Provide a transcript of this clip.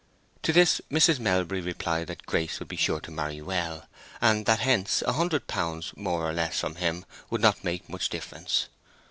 To this Mrs. Melbury replied that Grace would be sure to marry well, and that hence a hundred pounds more or less from him would not make much difference.